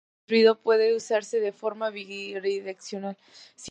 El circuito construido puede usarse de forma bidireccional.